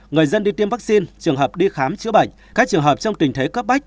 người dân đi tiêm vaccine trường hợp đi khám chữa bệnh các trường hợp trong tình thế cấp bách